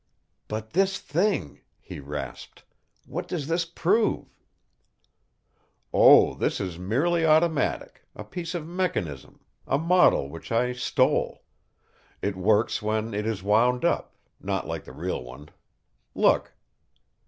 "But this thing," he rasped. "What does this prove?" "Oh, this is merely automatic a piece of mechanism a model which I stole. It works when it is wound up not like the real one. Look."